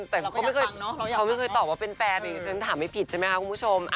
แต่เขาไม่เคยตอบว่าเป็นแฟนฉันถามไม่ผิดใช่ไหมคะคุณผู้ชม